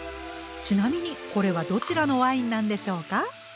ちなみにこれはどちらのワインなんでしょうか？